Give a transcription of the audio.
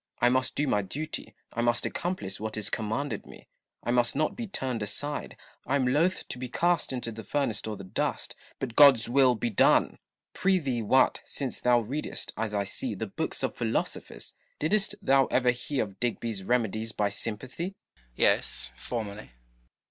I must do my duty ; I must accomplish what is commanded me ; I must not be turned aside. I am loth to be cast into the furnace or the dust; but God's will be done! Pry thee, Wat, since thou readest, as I see, the books of philosophers, didst thou ever hear of Digby's remedies by sympathy 1 Nohle. Yes, formerly.